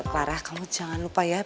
parah kamu jangan lupa ya